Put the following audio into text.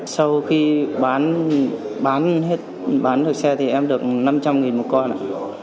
sau khi bán được xe thì em được năm trăm linh nghìn một con ạ